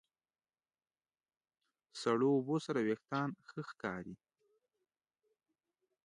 سړو اوبو سره وېښتيان ښه ښکاري.